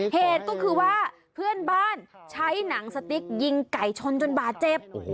เหตุก็คือว่าเพื่อนบ้านใช้หนังสติ๊กยิงไก่ชนจนบาดเจ็บ